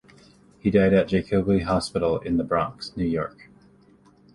He died at Jacobi Hospital in the Bronx, New York.